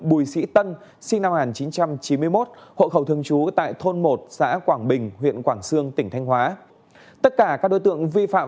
bùi sĩ tân sinh năm một nghìn chín trăm chín mươi một